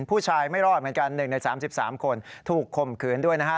ผู้ชายไม่รอดเหมือนกัน๑ใน๓๓คนถูกข่มขืนด้วยนะฮะ